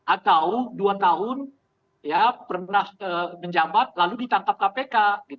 atau dua tahun pernah menjabat lalu ditangkap kpk